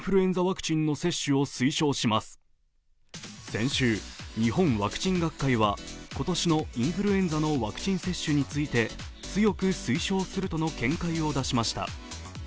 先週、日本ワクチン学会は今年のインフルエンザのワクチン接種について強く推奨するとの見解を出しました。